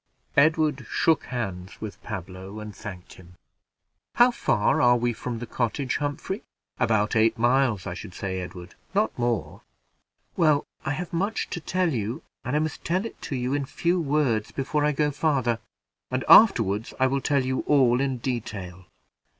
Edward shook hands with Pablo, and thanked him. "How far are we from the cottage, Humphrey?" "About eight miles, I should say, Edward; not more." "Well, I have much to tell you, and I must tell it to you in few words before I go farther, and afterward I will tell you all in detail."